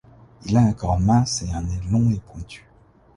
Il a un corps mince et un nez long et pointu.